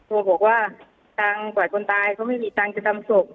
เขาบอกว่าทางกว่าคนตายเขาไม่มีทางจะทำศพ